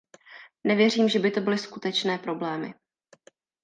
Nevěřím, že by to byly skutečné problémy.